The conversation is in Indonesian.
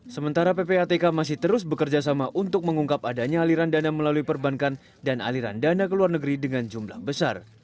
sementara ppatk masih terus bekerjasama untuk mengungkap adanya aliran dana melalui perbankan dan aliran dana ke luar negeri dengan jumlah besar